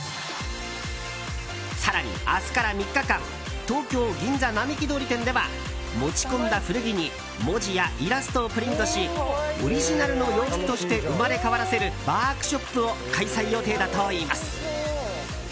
更に、明日から３日間東京・銀座並木通り店では持ち込んだ古着に文字やイラストをプリントしオリジナルの洋服として生まれ変わらせるワークショップを開催予定だといいます。